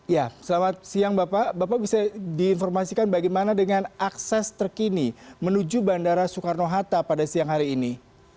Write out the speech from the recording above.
ya selamat siang bapak bapak bisa diinformasikan bagaimana dengan akses terkini menuju bandara soekarno hatta pada siang hari ini